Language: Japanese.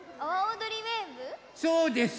そうです。